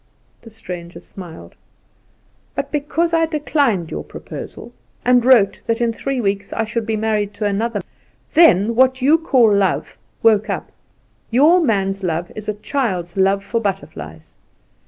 The stranger smiled. "But because I declined your proposal, and wrote that in three weeks I should be married to another, then what you call love woke up. Your man's love is a child's love for butterflies.